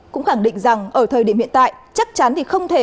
cũng khẳng định rằng ở thời điểm hiện tại chắc chắn thì không thể